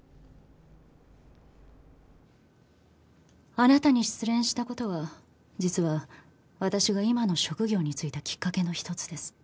あなたに失恋した事は実は私が今の職業に就いたきっかけの一つです。